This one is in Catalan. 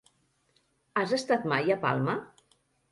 Has estat mai a Palma?